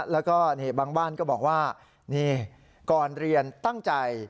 แล้วก็บางบ้านก็บอกว่านี่ก่อนเรียนตั้งใจ